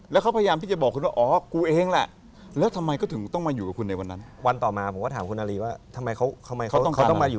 แล้วเขาพยายามว่ากลุ่มจะบอกว่า